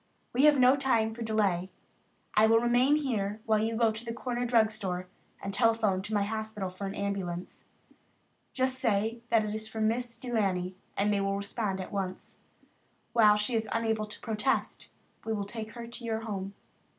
We have no time to delay. I will remain here while you go to the corner drug store and telephone to my hospital for an ambulance. Just say that it is for Miss De Laney and they will respond at once. While she is unable to protest, we will take her to your home."